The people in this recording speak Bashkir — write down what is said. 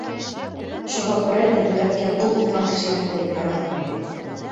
Шуға күрә тәбиғәткә ҡул һуҙған кешеләрҙе яратмайым